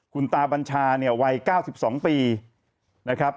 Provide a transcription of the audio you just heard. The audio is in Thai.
คุณตาบัญชาเนี่ยวัย๙๒ปีนะครับ